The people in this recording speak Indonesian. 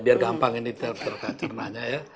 biar gampang ini terkenanya ya